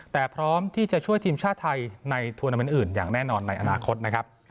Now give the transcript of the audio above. แต่พร้อมที่จะช่วยทีมชาติไทยในทวนาเมนต์อื่นอย่างแน่นอนในอนาคตนะครับ